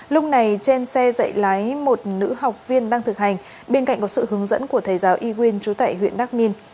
lúc này trên xe dạy lái một nữ học viên đang thực hành bên cạnh có sự hướng dẫn của thầy giáo y nguyên chú tại huyện đắc minh